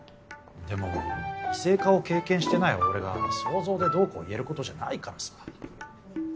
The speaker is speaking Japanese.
でも異性化を経験してない俺が想像でどうこう言えることじゃないからさ。